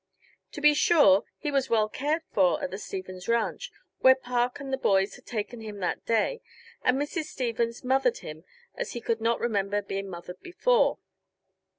To be sure, he was well cared for at the Stevens ranch, where Park and the boys had taken him that day, and Mrs. Stevens mothered him as he could not remember being mothered before.